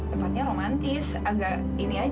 tempatnya romantis agak ini aja